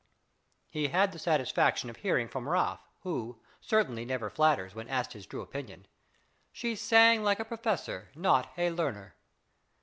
He had the satisfaction of hearing from Raaff, "who certainly never flatters," when asked his true opinion: "She sang like a professor, not like a learner."